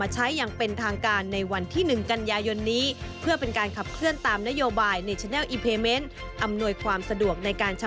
ชินไทยเกอร์ลบอิเเล็กโทนิค